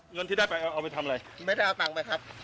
เงินที่ได้ไปเอาไปทำอะไรไม่ได้เอาตังค์ไปครับ